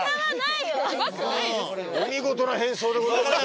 お見事な変装でございました。